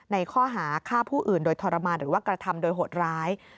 ในข้อหาฆ่าผู้อื่นโดยทรมานหรือว่ากระทำโดยโหดร้าย